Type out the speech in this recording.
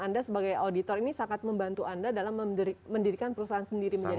anda sebagai auditor ini sangat membantu anda dalam mendirikan perusahaan sendiri menjadi